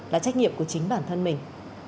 là trách nhiệm của chính bản thân mình